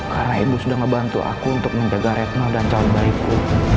karena ibu sudah ngebantu aku untuk menjaga retno dan calon bayiku